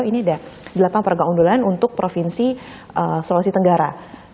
ini ada delapan program undulan untuk provinsi sulawesi tenggara